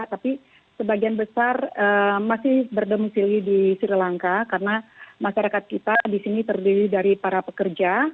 tapi sebagian besar masih berdemosili di sri lanka karena masyarakat kita di sini terdiri dari para pekerja